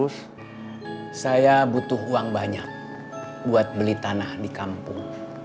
saya butuh uang banyak buat beli tanah di kampung